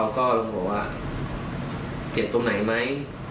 และยืนยันเหมือนกันว่าจะดำเนินคดีอย่างถึงที่สุดนะครับ